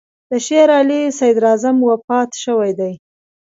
د شېر علي صدراعظم وفات شوی دی.